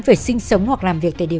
phải sinh sống hoặc làm việc tại địa